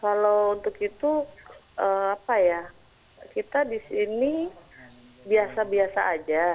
kalau untuk itu apa ya kita di sini biasa biasa aja